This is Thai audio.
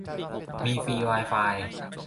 มีฟรีไวไฟ